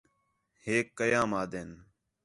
ہِک قیام آدھن